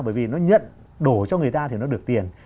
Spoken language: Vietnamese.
bởi vì nó nhận đổ cho người ta thì nó được tiền